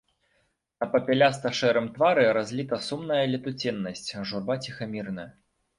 На папяляста-шэрым твары разліта сумная летуценнасць, журба ціхамірная.